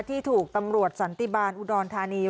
ที่ถูกตำรวจสันติบาลอุดรธานี